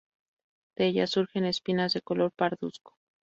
De ellas surgen espinas de color pardusco.